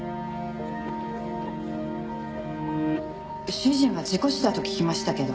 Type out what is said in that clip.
主人は事故死だと聞きましたけど。